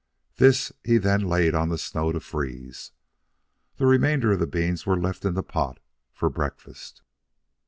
This he then laid on the snow to freeze. The remainder of the beans were left in the pot for breakfast.